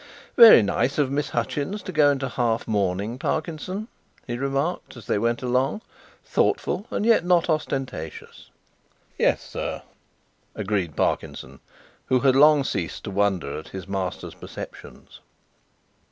"Very nice of Miss Hutchins to go into half mourning, Parkinson," he remarked as they went along. "Thoughtful, and yet not ostentatious." "Yes, sir," agreed Parkinson, who had long ceased to wonder at his master's perceptions.